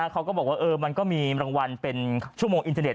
เขาก็บอกว่ามันก็มีรางวัลเป็นชั่วโมงอินเทอร์เน็